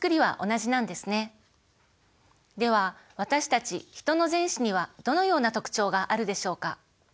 では私たちヒトの前肢にはどのような特徴があるでしょうか。